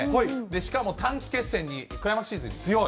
しかも短期決戦に、クライマックスシリーズに強い。